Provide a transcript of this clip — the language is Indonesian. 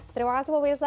terima kasih pemirsa